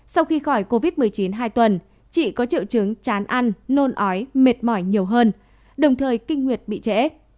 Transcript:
sau khi khỏi covid một mươi chín hai tuần chị có triệu chứng chán ăn nôn ói mệt mỏi nhiều hơn đồng thời kinh nguyệt bị trễ